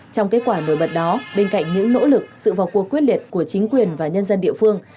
trong kết quả nổi bật đó bên cạnh những nỗ lực sự vào cuộc quyết liệt của chính quyền và nhân dân địa phương